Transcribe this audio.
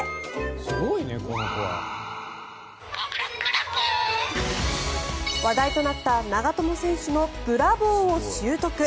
すごいね、この子は。話題となった長友選手のブラボーを習得。